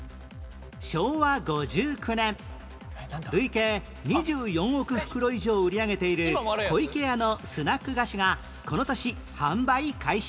昭和５９年累計２４億袋以上売り上げている湖池屋のスナック菓子がこの年販売開始